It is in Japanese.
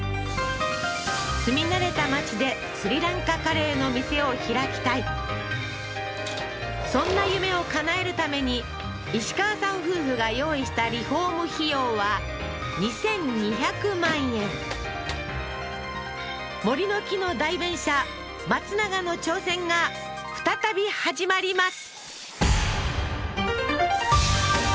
住み慣れた街でスリランカカレーの店を開きたいそんな夢をかなえるために石川さん夫婦が用意したリフォーム費用は２２００万円森の木の代弁者松永の挑戦が再び始まります